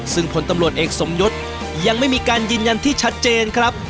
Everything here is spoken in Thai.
ซึ่งผลตำรวจเอกสมยศยังไม่มีการยืนยันที่ชัดเจนครับ